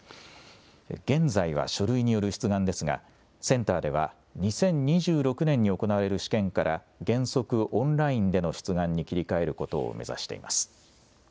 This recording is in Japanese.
現在は書類による出願ですが、センターでは２０２６年に行われる試験から、原則オンラインでの出願に切り替えることを目指しています。